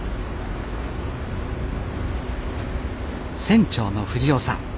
船長の藤夫さん。